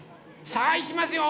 さあいきますよ。